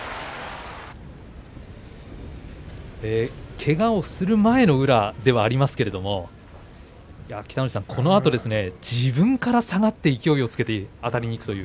けがをする前の宇良ではありますけれどこのあとですね自分から下がって勢いをつけてあたりに行くという。